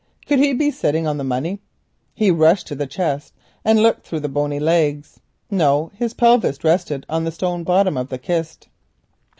Could he be sitting on the money? He rushed to the chest and looked through the bony legs. No, his pelvis rested on the stone bottom of the kist.